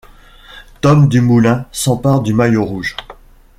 Tom Dumoulin s'empare du maillot rouge.